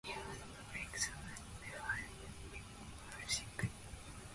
He was a public servant before entering politics.